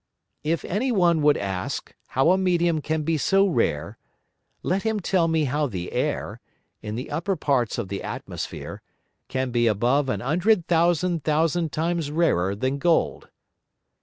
If any one would ask how a Medium can be so rare, let him tell me how the Air, in the upper parts of the Atmosphere, can be above an hundred thousand thousand times rarer than Gold.